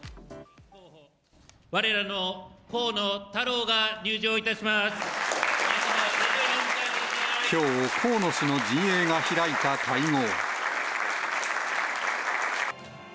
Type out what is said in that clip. われらの河野太郎が入場いたきょう、河野氏の陣営が開いた会合。